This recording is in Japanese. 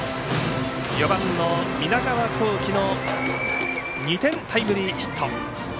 ４番の南川幸輝の２点タイムリーヒット。